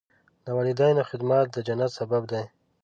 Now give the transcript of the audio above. د والدینو خدمت د جنت سبب دی.